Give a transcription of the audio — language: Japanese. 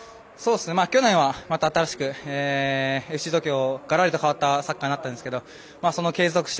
去年はまた新しくＦＣ東京がらりと変わったサッカーになったんですけどそれを継続して